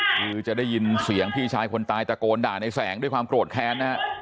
คือจะได้ยินเสียงพี่ชายคนตายตะโกนด่าในแสงด้วยความโกรธแค้นนะฮะ